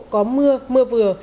có mưa mưa vừa